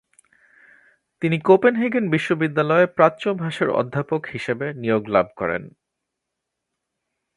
তিনি কোপেনহেগেন বিশ্ববিদ্যালয় এ প্রাচ্য ভাষার অধ্যাপক হিসেবে নিয়োগ লাভ করেন।